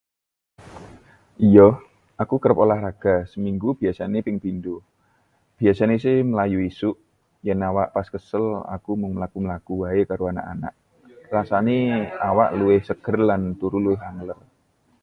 Ya, aku kerep olahraga, seminggu biasane ping pindho. Biasane se mlayu isuk. Yen awak pas kesel, aku mung mlaku-mlaku wae karo anak-anak. Rasané awak luwih seger lan turu luwih angler.